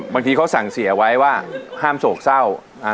บางทีเขาสั่งเสียไว้ว่าห้ามโศกเศร้า